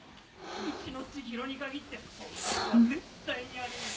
うちの知博にかぎってそんなことは絶対にあり得ない。